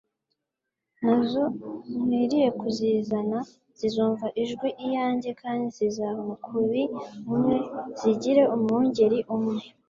nazo nkwiriye kuzizana, zizumva ijwi iyanjye, kandi zizaba umukurubi umwe, zigire umwungeri umwe.»